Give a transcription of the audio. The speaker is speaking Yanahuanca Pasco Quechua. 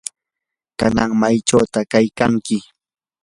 ¿kanan maychawta kaykanki?